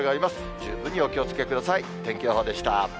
十分にお気をつけください。